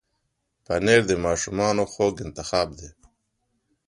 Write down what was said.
پنېر د ماشومانو خوږ انتخاب دی.